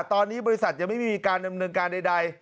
ตอนนี้บริษัทยังไม่มีการดำเนินการใด